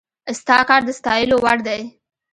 ستا کار د ستايلو وړ دی